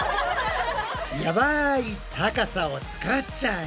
やばい高さを作っちゃえ！